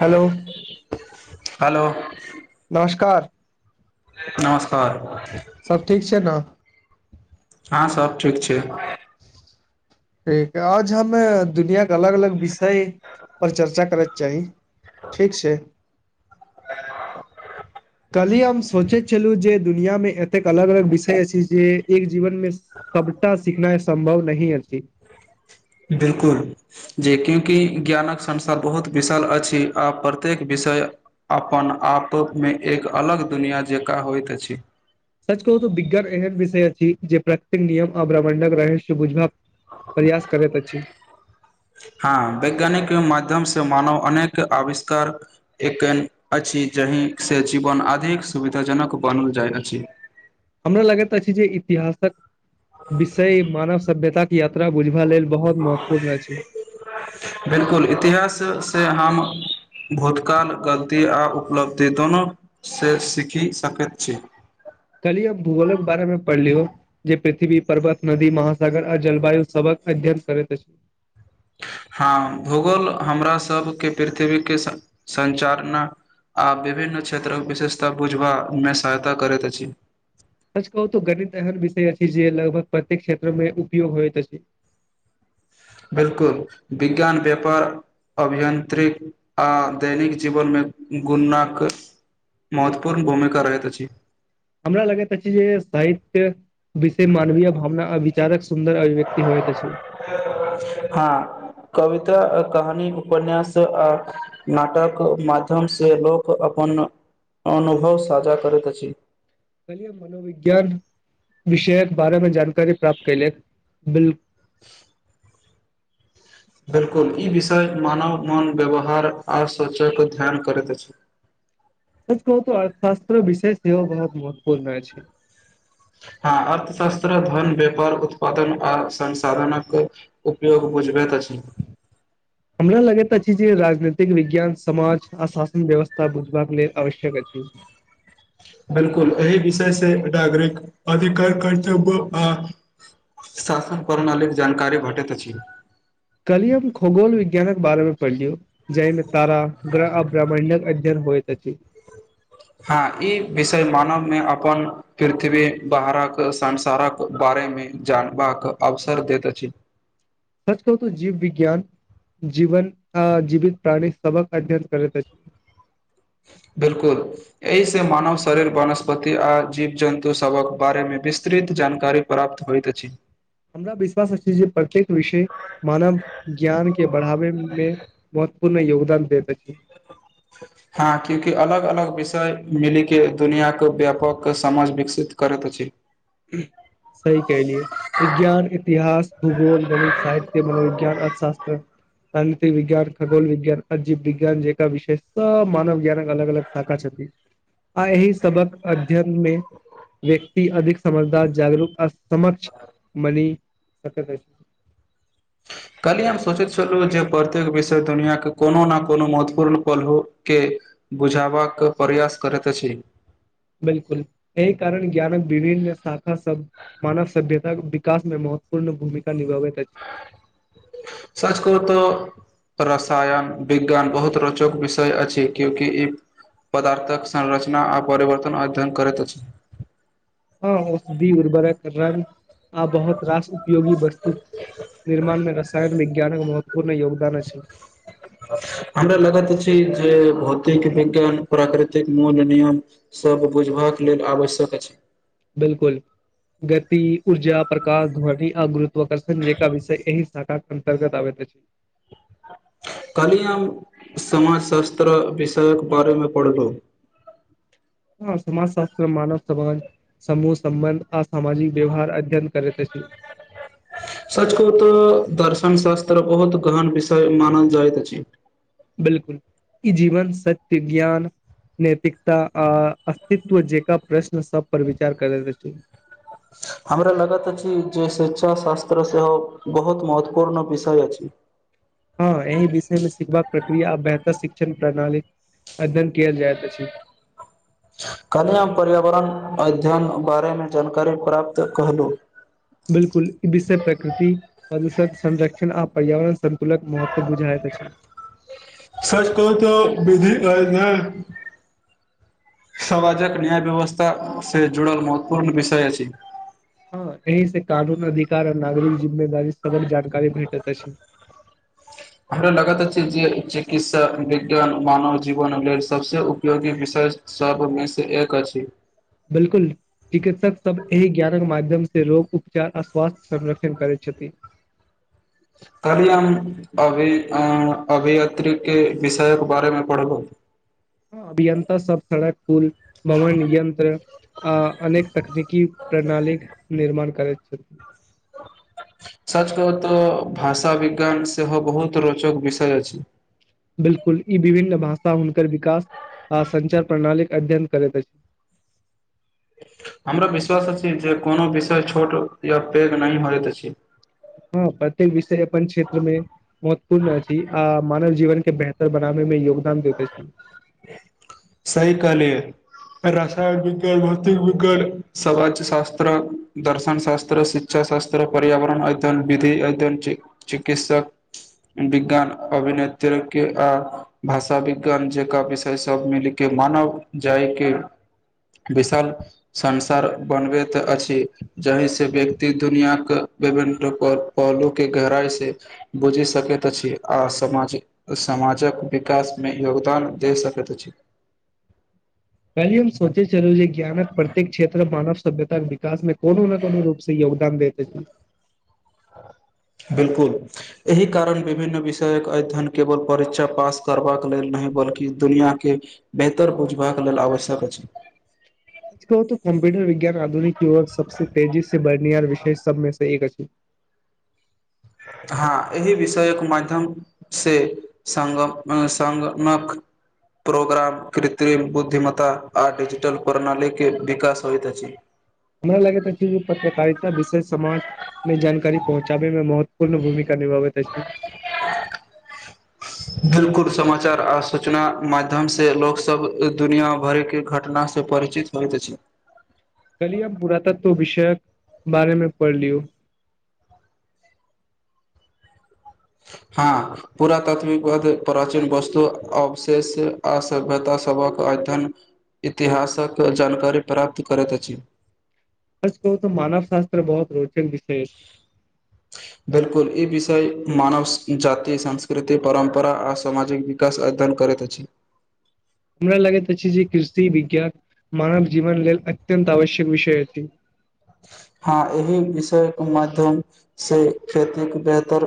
Hello. Hello. नमस्कार। [unintelligible] नमस्कार। [unintelligible] सब ठीक छै ने। [inaudible] हां सब ठीक छै। त आज हमे दुनियाके अलग अलग विषय पर चर्चा करक चाही, ठीक छै। काल्हि हम सोचैत छलहुं जे दुनियामे एतेक अलग अलग विषय अछि जे एक जीवन मे सबटा सिखनाइ सम्भव नहि अछि। बिलकुल, जे क्यूँकि ज्ञानक संसार बहुत विशाल अछि आ प्रत्येक विषय अपन आपमे एक अलग दुनिया जकां होइत अछि। सच कहू त बिज्ञान एहन विषय जे प्रकतिक नियम आ ब्र्मण्डक रहस्य बुझ। [unintelligible] हँ वैज्ञानिक मध्यम सं। मानव अनेक आविष्कार एकन अछि जहिसँ जीवन अधिक सुविधाजनक बनल जाइत अछि। हमरा लागैत अछि जे इतिहासक। विषय मानव सभ्यताके यात्रा बुझबा लेल बहुत महत्वपूर्ण अछि। [unintelligible] बिलकुल इतिहास से हम भूतकाल ग। ये आ उपलब्धि दोनोू। [unintelligible] से सीखि सकैत छी। कली हम भूगोल के बारेमे पढ़लियौ जे पृथ्वी पर्वत नदी महासागर आ जलवायु सबक अध्ययन करैत अछि। [unintelligible] हँ भूगोल हमरासके पृथ्वीके -सञ्चालना आ विभिन्न क्षेत्रक विशेषता बुझबामे सहायता करैत अछि। सच कहू त गणित एहन विषय छै जे लगभग प्रत्येक क्षेत्र मे उपयोग होइतइत छै। [unintelligible] बिल्कुल विज्ञान व्यापार अभियन्त्रिक आ दैनिक जीवनमे गुणाक- महत्वपूर्ण भूमिका रहैत अछि। [unintelligible] हमरा लगैत अछि जे साहित्य। [unintelligible] विष मानवीय भावना अविचारक सुन्दर अभिव्यक्त होइ त छै। [unintelligible] हँ कहानी उपन्यास आ नाटक माध्यमसँ लोक अपन -अनुभव साझा करैत अछि। [unintelligible] कल मनोविज्ञान विषय कअ बारेमे जानकारी प्राप्त कल ब। [inaudible] बिल्कुल ई विषय मानव मन व्यवहार आर सोचयके ध्यान करैत अछि। [unintelligible] कह अर्थशास्त्र विषय सेहो बहुत महत्वपूर्ण अछि। [unintelligible] हँ अर्थशास्त्र धन व्यापार उत्पादन आ संसाधनक उपयोग बुझबैत अछि। [unintelligible] हमरा लगैत अछि जे राजनीतिक विज्ञान समाज आ शासन व्यवस्था बुझबाक लेल आवश्यक अछि। [unintelligible] बिलकुल एहि विषय से नागरिक अधिकार कर्तव्य आ -शासन प्रणाली जानकारी भेटैत अछि। कलियम खगोल विज्ञानक बारेमे पढ़लिय जाहिमे तारा ग्रह आ ब्राम्मण्डक अध्ययन होइत अछि। [unintelligible] हँ ई विषय मानवमे अपन पृथ्वी बाहरक संसारक बारेमे जानबाक अवसर दैत अछि। [unintelligible] सच कहू त जीव विज्ञान जीवन आ जीवित प्राणी सबक अध्ययन करैत छै। [unintelligible] बिलकुल एहिसँ मानव शरीर वनस्पति आ जीव जन्तु सभक बारेमे विस्तृत जानकारी प्राप्त होइत अछि। [unintelligible] हमरा विश्वास अछि जे प्रत्येक विषय मानव ज्ञान के बढ़ाबैमे महत्वपूर्ण योगदान दैत अछि। [unintelligible] हँ क्यूकि अलग- अलग विषय मिली के दुनिया। व्यापक समाज विकसित। करत छै। [unintelligible] [unintelligible] सही कलियए विज्ञान इतिहास भूगोल गणित साहित्य। मनोविज्ञान अर्थशास्त्र राजनीिक विज्ञान खगोल विज्ञान अजीव विज्ञान जेका विषय सब मानव विज्ञानक अलग अलग शाखा छथि। आ एहि सबक अध्ययन मे [unintelligible] व्यक्यक। अधिक। [unintelligible] समझदार जागरूक आ समक्ष बनि सकैत [unintelligible] अछि। कल्हि हम सोचैत छलहुँ जे प्रत्येक विषय दुनिआके कोनो ने कोनो महत्वपूर्ण पलोककेँ बुझबाक प्रयास करैत अछि। [unintelligible] बिलकुल एहि कारण ज्ञानक विभिन्न शाखा सब मानव सभ्यतााक विकास मे महत्वपूर्ण भूमिका निभाबैत अछि। [unintelligible] सच कहुं त संस्कृत रसायन विज्ञान बहुत रोचक विषय अछि क्यकि ई पदार्थक संरचना आ परिवर्तन अध्ययन करैत अछि। [unintelligible] हँ औषधि उर्वरक रंग आ बहुत रस। [unintelligible] उपयोगी वस्तु- निर्माण में रसायन विज्ञानक महत्वपूर्ण योगदान अछि। [unintelligible] हमरा लगत अछि जे भौतिक विज्ञान प्राकृतिक मूल नियम सभ बुझबाक लेल आवश्यक अछि। [unintelligible] बिलकुल गति ऊर्जा प्रकाश ध्व आगृति। आकर्षण जे क विषय एहि शाखा के। [unintelligible] अन्तर्गत आबै तऽ छै। [unintelligible] काली हम -हम समाज शास्त्र विषयक बारेमे पढ़लहुँ। [unintelligible] हँ समाजशास्त्र मानव समाज समूह समबन्ध आ सामाजिक व्यवहार अध्ययन करैत छै। [unintelligible] सचको तऽ दर्शन शास्त्र बहुत गहन विषय मानल जाइतइत अछि। [unintelligible] बिलकुल ई जीवन सत्य ज्ञान नैैतिकता आ अस्तित्व जेक प्रश्न सब पर विचार करैत छै। [unintelligible] हमरा लागैत अछि जे शिक्षा शास्त्र सेहो बहुत महत्वपूर्ण विषय अछि। [unintelligible] हँ एहि विषयमे सिखबाक प्रक्रिया आ बेहतर शिक्षण प्रणाली अध्ययन कयल जाइत अछि। [unintelligible] कनामे पर्यावरण अध्ययन बारेमे जानकारी प्राप्त कहलहुँ। [unintelligible] बिलकुल ई विषय प्रकृति प्रदूषण संरक्षण आ पर्यावरण संतुलन महत्व बुझायत छै। [unintelligible] सच कह त ब समाजक न्याय- व्यवस्था से जड़ल महत्वपूर्ण विषय छै। [unintelligible] हँ एहि से कानून अधिकार आ नागरिक जी। [unintelligible] उदी सक जानकारी भेटत छै। [unintelligible] हमरा लागत अछि जे चिकित्सा विज्ञान मानव जीवन लेल सबस उपयोगी विषय सबमे से एक अछि। बिल्कुल म से रोग उपचार आ स्वास्थ्य संरक्षण करैत छथि। [unintelligible] खाली हम अभी अभियत्र्री के विषयके बारेमे पढ़ो। [unintelligible] हँ अभियन्ता सब सड़क। पुल -भवन यन्त्र। अ अनेक तकनीकी। [unintelligible] प्रणाली -निर्माण। करै छै। [unintelligible] सच कतऽ भाषा विज्ञान सेहो बहुत रोचक विषय अ छै। [unintelligible] बिलकुल ई विभिन्न भाषा हुनकर विकास आ सञ्चार प्रणालीक अध्ययन करैत अछि। [unintelligible] हमरा विश्वास अछि जे कोनो विषय छोट या पैघ नहि होइत अछि। [unintelligible] हँ प्रत्येक विषय अपन क्षेत्र मे महत्वपूर्ण अछि आ मानव जीवन के बेहतर बनाबे मे योग। [unintelligible] सही कहलियै। रसायन विज्ञान भौतिक विज्ञान समाज शास्त्र दर्शन शास्त्र शिक्षा शास्त्र पर्यावरण अध्ययन विधि अध्ययन- चिकित्सक विज्ञान अभनेत्र आ। भाषा विज्ञान जेक विषय सब मिल के मानल जाय के विशाल संसार बनबैत अछि जाहि से व्यक्ति दुनआ के विभिन्न पहलू के गहराइ से बुझि सकैत अछि आ समाज- समाजक। विकासमे योगदान द सकैत अछि। [unintelligible] कली हम सोचे चलू जे ज्ञानक प्रत्येक क्षेत्र मानव सभ्यता विकासमे। कोनो ने -कोनो रूप से योगदान दैत छी। [unintelligible] बिलकुल एहि कारण विभिन्न विषयक अध्ययन केवल परीक्षा पास करबाक लेल नहि बल्कि दुनिआँकेँ बेहतर बुझबाक लेल आवश्यक अछि। [unintelligible] सच कह त कम्प्यूटर विज्ञान आधुनिक। यक सबसँ तेजी से बर्निियार विषय सबमे से एका। [unintelligible] हँ एहि विषयक माध्यमसँ सग- सङगनकक प्रोग्राम कृत्रिम बुद्धिमत्ता आ डिजिटल प्रणालीके विकास होइत अछि। हमरा लगे पत्रकारिता विषयष समाज मे जानकारी पहुँचाबे मे महत्व पूर्ण भूमिका निभव त छी। बिल्कुल। समाचार आर सूचना। माध्यम से लोक सब दुनिया भर के घटना से परिचित होइत अछि। कली अ पुरातत्व विषयक बारेमे पढ़ लियौ। हँ पूरा तात्विकवाद प्राचीन वस्तु अवशेष आ सभ्यतास सभक अध्ययन इतिहासक जानकारी प्राप्त करैत अछि। ब कह मानव शास्त्र बहुत रुचि विष छै। बिल्कुल ई विषय मानव जाति सास्कृति परम्परा आ सामाजिक विकास अध्ययन करैत अछि। हमरा लगैत अछि जे कृषि विज्ञान मानव जीवन लेल अत्यन्त आवश्यक विषय अछि। हँ एहि विषयके माध्यमसँ खेतीके बेहतर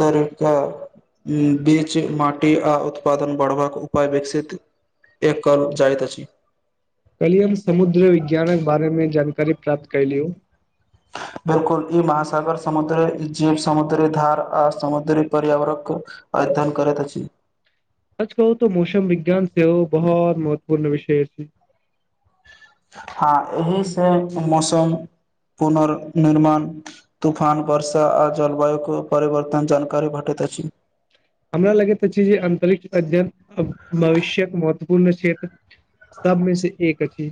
तरीका बीच माटि आ उत्पादन बढ़बाक उपाय विकसित कएल जाइत अछि। कलिय हम समुद्र विज्ञानक बारेमे जानकार कर प्राप्त कलि ओ। बिल्कुल ई महासागर समुद्री जीव समुद्री धार आ समुद्री पर्यावरणक अध्ययन करैत अछि। आज कहू तो मौसम विज्ञान सेहो बहुत महत्वपूर्ण विषय छै। हँ एहिसँ मौसम पुनर्निर्माण तूफान वर्षा आ जलवायुके परिवर्तन जानकारी भेटैत अछि। हमरा लगैत अछि जे अंतरिक्ष अध्ययन भविष्य्यक महत्वपूर्ण क्षेत्र सबमे से एक अछि।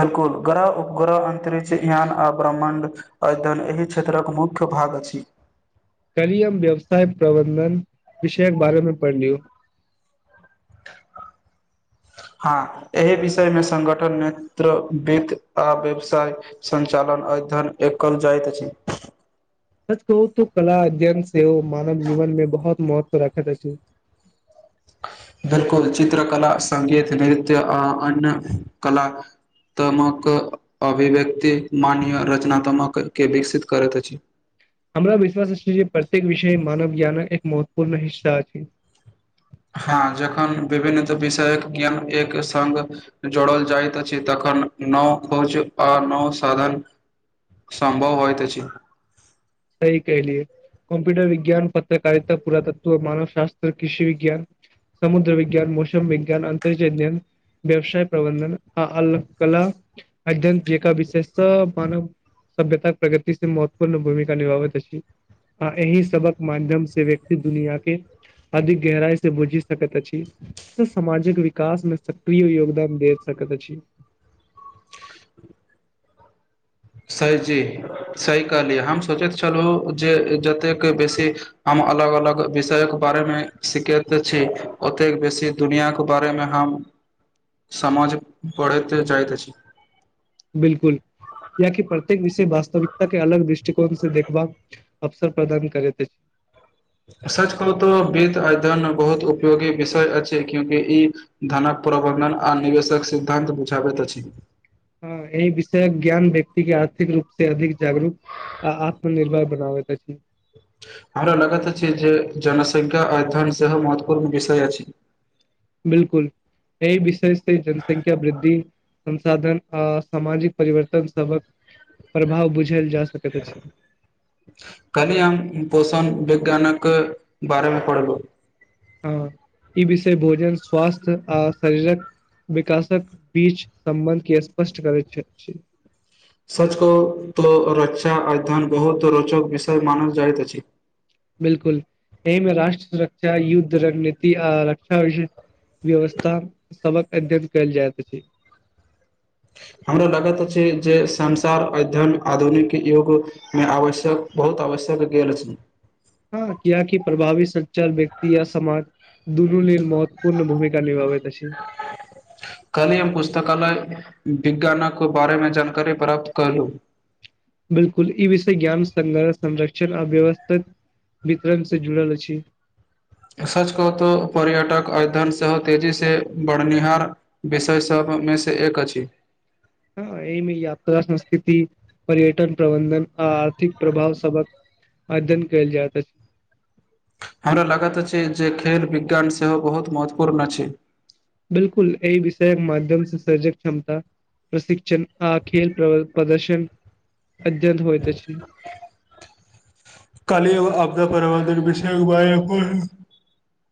बिलकुल ग्रह उपग्रह अन्तरिक्ष यान आ ब्रह्मण्ड अध्ययन एहि क्षेत्रक मुख्य भाग अछि। कली हम व्यवसाय प्रबन्धन विषयक बारेमे पढ़ लियौ हँ एहि विषयमे सङ्गठन नेतृवितित आ व्यवसाय सञ्चालन अध्ययन कल जाइत अछि। सच कहू तऽ कला अध्यन से ओ मानव जीवन में बहुत महत्व राखा जा छी। बिलकुल चित्रकला सगीत नृत्य आ अन्य कलात्मक अभिव्यक्ति। माननीय रचनात्मक के विकसित करैत अछि। हमरा विश्वास अछि जे प्रत्येक विषय मानव ज्ञानक एक महत्वपूर्ण हिस्सा अछि। हँ जखन विभिन्न विषयक ज्ञान एक सङ्ग जोड़ल जाइत अछि तखन नव खोज आ नव साधन सम्भव होइत अछि। स कलियै कम्प्यूटर विज्ञान पत्रकारित पुरात्व मानव शास्त कृषि विज्ञान समुद्र विज्ञान मौसम विज्ञान अंत व्यवसाय प्रबन्धन आ अ कला अध्यन जेका विषेष स मानव सभ्यता प्रगति से महत्वपूर्ण भूमिका निभाबैत अछि आ एहि सबक माध्यम से व्यक्ति दुनिया के अधिक गहराई से बुझि सकैत अछि सामाजिक विकास मे सक्रिय योगदान दे सकैत अछि। सही जी सही कहलियै हम सोचैत छलहुँ जे जतेक बेसी हम अलग अलग विषयके बारेमे सीखैत छी ओतेक बेसी दुनिआँके बारेमे हम समझ पढ़ैत जाइत छी। बिलकुल याकि प्रत्येक विषय वास्तविकता के अलग दृष्टिकोण से देखबाक अवसर प्रदान करैत। सच कह त वित्त अध्ययन बहुत उपयोगी विषय अछि क्यूंकि ई धनक प्रबन्धन आ निवेशक सिद्धान्त बुझाबैत अछि। हँ एहि विषय ज्ञान व्यक्ति के आर्थिक रूप से अधिक जागरूक आ आत्मनिर्भर बनाबैत अछि। हमरा लगैत अछि जे जनसंख्या अध्ययन सेहो महत्वपूर्ण विषय अछि। बिलकुल एहि विषय से जनसंख्या वृद्धि संसाधन आ सामाजिक परिवर्तन सबक प्रभाव बुझल जा सकैत अछि खाली आम पोषण गानक बारमे पड़ल। हँ ई विषय भोजन स्वास्थ्य आ शरीरक विकासक बीच सम्बन्ध के स्पष्ट करैत छी। सच को तो रचा अध्ययन बहोत रोचक विषय मानल जाएत अछि। बिलकुल ए मे राष्ट्र सुरक्षा, युद्ध रणनीति आ रक्षा [unintelligible] व्यवस्था सबक अध्यन काएल जाएत अछि। हमरा लगत अछि जे संसार अध्यन आधुनिक युग मे आवश्यक बहुत आवश्यक गेल अछि। हाँ कियाकी प्रभावित सच्चर व्यक्ति या समाज दुनू लेल मौ पूर्ण भूमिका निभावैत अछि। [inaudible] कलहि हम पुस्तकालय विज्ञानक बारेमे जानकारी प्राप्त कलू बिलकुल ई विषय ज्ञान स्रह संरक्षण आ व्यवस्थित वितरण से जुड़ल अछि। सच कहतहु पर्यटक अद्ययन सेहो तेजीसँ बढ़निहार विषय सभमेसँ एक अछि। हाँ ए मे यात्रा संस्कृति, पर्यटन प्रबंधन, आर्थिक प्रभाव सबक अध्ययन कायल जाएत अ हमरा लागत अछि जे खेल, विज्ञान सेहो बहोत महत्वपूर्ण अछि। बिलकुल ए विषय के माध्यम से सजक क्षमता, प्रशिक्षण आ खेल प्र प्रदर्शन अध्यन होएत अछि। काल्हि [unintelligible]